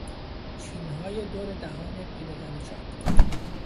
چینهای دور دهان پیرزن چاق